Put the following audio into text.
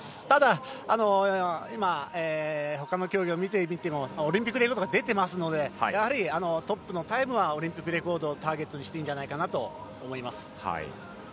ただ他の競技を見てみてもオリンピックレコードが出てますのでやはりトップのタイムはオリンピックレコードをターゲットにしていいと思います。